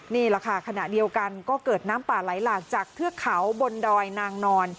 นี่แหละค่ะขณะเดียวกันก็เกิดน้ำป่าไหลหลากจากเทือกเขาบนดอยนางนอน